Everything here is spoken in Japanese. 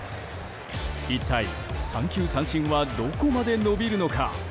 一体、三球三振はどこまで伸びるのか。